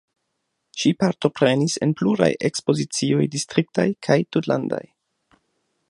Ŝi partoprenis en pluraj ekspozicioj distriktaj kaj tutlandaj.